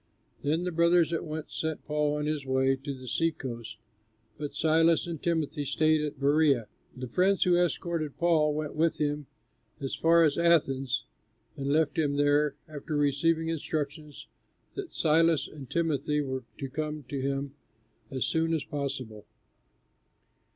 Then the brothers at once sent Paul on his way to the sea coast, but Silas and Timothy stayed at Berœa. The friends who escorted Paul went with him as far as Athens, and left him there, after receiving instructions that Silas and Timothy were to come to him as soon as possible.